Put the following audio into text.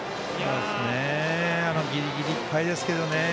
ギリギリいっぱいですけど。